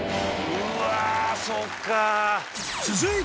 うわそっか。